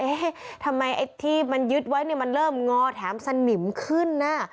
ทำไมไอ้ที่มันยึดไว้เนี่ยมันเริ่มงอแถมสนิมขึ้นนะ